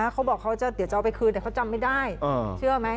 เขาบอกเดี๋ยวจะเอาไปคืน